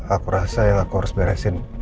aku rasa ya aku harus beresin